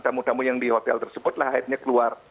tamu tamu yang di hotel tersebut lah akhirnya keluar